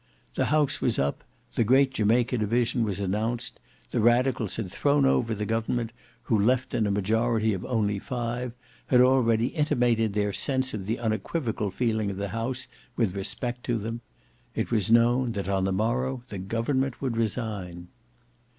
The House was up; the great Jamaica division was announced; the radicals had thrown over the government, who left in a majority of only five, had already intimated their sense of the unequivocal feeling of the House with respect to them. It was known that on the morrow the government would resign.